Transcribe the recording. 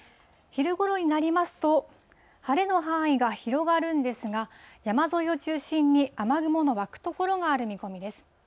昼ごろになりますと、晴れの範囲が広がるんですが、山沿いを中心に雨雲の湧く所がある見込みです。